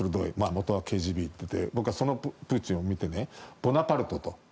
元はＫＧＢで僕はそのプーチンを見てボナパルトと。